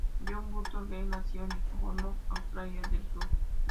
John Burton Cleland nació en Norwood, Australia del Sur.